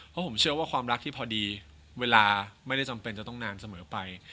เพราะผมเชื่อว่าความรักที่พอดีเวลาไม่ได้จำเป็นจะต้องนานเสมอไป